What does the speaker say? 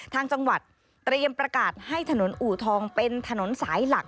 ทางจังหวัดเตรียมประกาศให้ถนนอู่ทองเป็นถนนสายหลัก